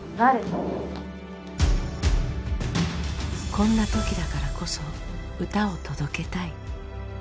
こんな時だからこそ歌を届けたい。